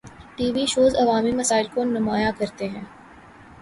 T V shows عوامی مسائل کو نمایاں کرتے ہیں۔